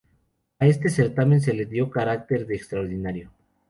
A este certamen se le dio carácter de "extraordinario".